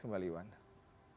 terima kasih juga semuanya